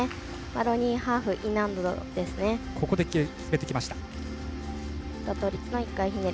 マロニーハーフＥ難度ですね。